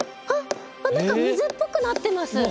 あっ何か水っぽくなってます。